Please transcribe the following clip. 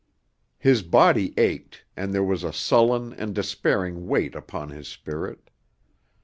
His body ached, and there was a sullen and despairing weight upon his spirit.